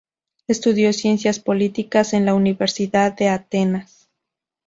Estudió Ciencias Políticas en la Universidad de Atenas.